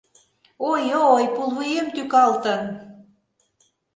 Ой-ой, пулвуем тӱкалтын...